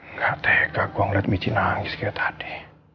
nggak tega gue ngeliat michi nangis kayak tadi